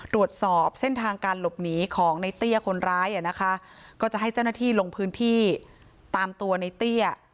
ตรวจสอบเส้นทางการหลบหนีของในเตี้ยคนร้ายอ่ะนะคะก็จะให้เจ้าหน้าที่ลงพื้นที่ตามตัวในเตี้ย